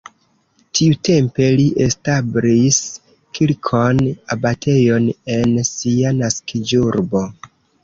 Tiutempe li establis kirkon, abatejon en sia naskiĝurbo.